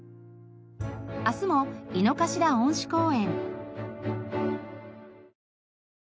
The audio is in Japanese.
明日も井の頭恩賜公園。